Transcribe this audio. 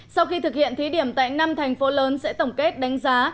sau khi thực hiện thí điểm tại năm thành phố lớn sẽ tổng kết đánh giá